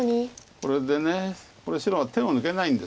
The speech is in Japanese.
これでこれ白が手を抜けないんです。